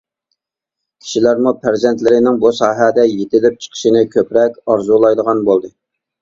كىشىلەرمۇ پەرزەنتلىرىنىڭ بۇ ساھەدە يېتىلىپ چىقىشىنى كۆپرەك ئارزۇلايدىغان بولدى.